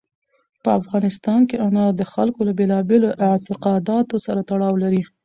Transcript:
په افغانستان کې انار د خلکو له بېلابېلو اعتقاداتو سره تړاو لري.